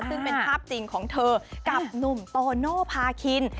ซึ่งเป็นภาพจริงของเธอกับหนุ่มโตโนภาคิน